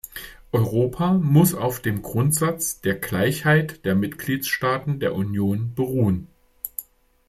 Europa muss auf dem Grundsatz der Gleichheit der Mitgliedstaaten der Union beruhen.